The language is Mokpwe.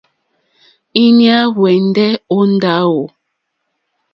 Íɲá hwɛ́ndɛ̀ ó ndáwò.